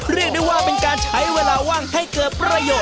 เรียกได้ว่าเป็นการใช้เวลาว่างให้เกิดประโยชน